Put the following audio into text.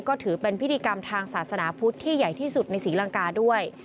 ก็ถือเป็นพิธีกรรมทางศาสนาพุทธที่ใหญ่ที่สุดในศรีลังกาด้วย